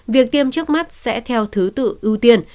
việc tiêm trước mắt sẽ theo thứ tự ưu tiên